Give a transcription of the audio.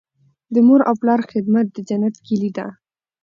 د مور او پلار خدمت د جنت کیلي ده.